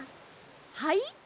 はい？